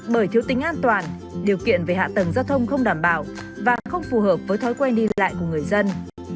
bởi thiếu tính an toàn điều kiện về hạ tầng giao thông không đảm bảo và không phù hợp với thói quen đi lại của người dân